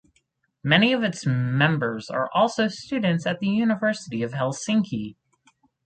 Many of its members are also students at the University of Helsinki.